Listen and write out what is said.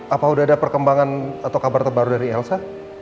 apa sudah ada perkembangan atau kabar terbaru dari elsa